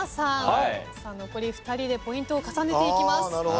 残り２人でポイントを重ねていきます。